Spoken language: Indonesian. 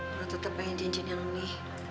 kalo lu tetep pengen cincin yang ini